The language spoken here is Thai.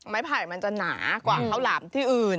ไม้ไผ่จะหนากว่าข้าวหลายอาทิตย์อื่น